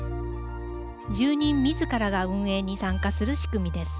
住人みずからが運営に参加する仕組みです。